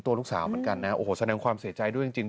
ตัวลูกสาวเหมือนกันนะโอ้โหแสดงความเสียใจด้วยจริง